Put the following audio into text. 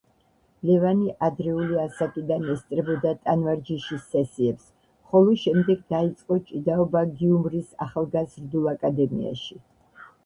ლევანი ადრეული ასაკიდან ესწრებოდა ტანვარჯიშის სესიებს, ხოლო შემდეგ დაიწყო ჭიდაობა გიუმრის ახალგაზრდულ აკადემიაში.